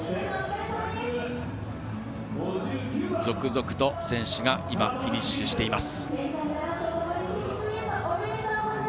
続々と選手がフィニッシュしています。